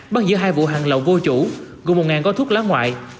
bắt giữ hai vụ hàng lậu vô chủ gồm một gói thuốc lá ngoại